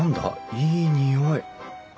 いい匂い。